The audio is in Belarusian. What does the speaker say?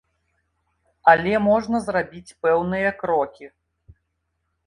Але можна зрабіць пэўныя крокі.